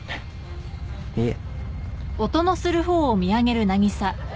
いえ